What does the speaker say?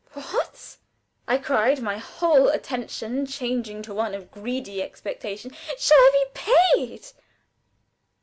"What!" I cried, my whole attitude changing to one of greedy expectation. "Shall I be paid?"